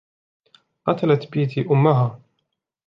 قتلت بتي أمها.